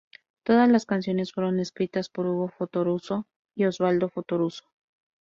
Todas las canciones fueron escritas por Hugo Fattoruso y Osvaldo Fattoruso.